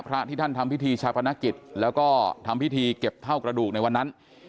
พระที่ท่านทำพิธีชาพนักกิจแล้วก็ทำพิธีเก็บเท่ากระดูกในวันนั้น